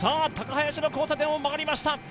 高林の交差点を曲がりました。